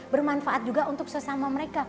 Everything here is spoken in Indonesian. bermanfaat juga untuk sesama mereka